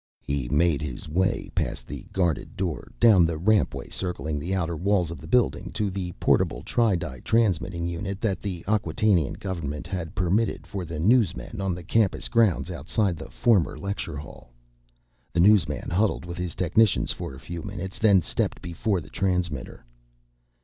He made his way past the guarded door, down the rampway circling the outer walls of the building, to the portable tri di transmitting unit that the Acquatainian government had permitted for the newsmen on the campus grounds outside the former lecture hall. The newsman huddled with his technicians for a few minutes, then stepped before the transmitter.